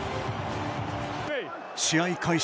試合開始